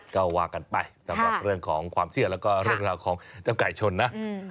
ก็ว่ากันไปสำหรับเรื่องของความเชื่อแล้วก็เรื่องราวของเจ้าไก่ชนนะ